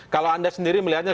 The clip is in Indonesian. kalau anda sendiri melihatnya